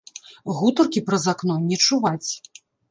Гутаркі праз акно не чуваць.